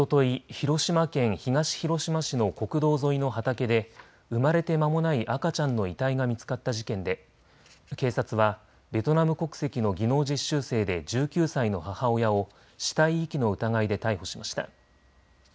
広島県東広島市の国道沿いの畑で産まれてまもない赤ちゃんの遺体が見つかった事件で警察はベトナム国籍の技能実習生で１９歳の母親を死体遺棄の疑いで逮捕しました。